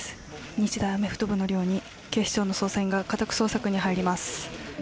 日大アメフト部の寮に警視庁の捜査員が家宅捜索に入ります。